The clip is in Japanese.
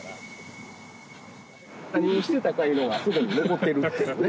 何をしてたかいうのがあそこに残ってるっていうね。